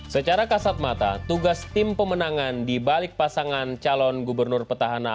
secara kasat mata tugas tim pemenangan dibalik pasangan calon gubernur petahana